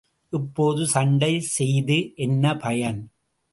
இப்போது சண்டை செய்து என்ன பயன்?